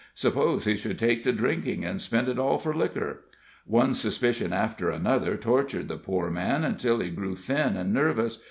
Suppose he should take to drinking, and spend it all for liquor! One suspicion after another tortured the poor man until he grew thin and nervous.